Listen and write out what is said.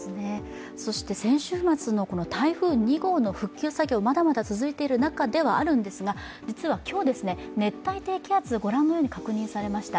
先週末の台風２号の復旧作業がまだまだ続いている中ではあるんですが実は今日、熱帯低気圧、ご覧のように確認されました。